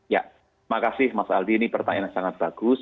ya makasih mas aldi ini pertanyaan yang sangat bagus